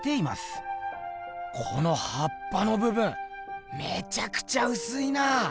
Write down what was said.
このはっぱのぶぶんめちゃくちゃうすいな。